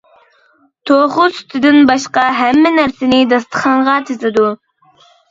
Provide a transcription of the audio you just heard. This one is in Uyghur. توخۇ سۈتىدىن باشقا ھەممە نەرسىنى داستىخانغا تىزىدۇ.